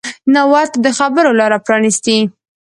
نه ورته د خبرو لاره پرانیستې